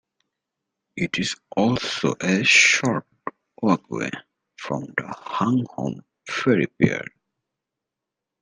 It is also a short walk away from the Hung Hom Ferry Pier.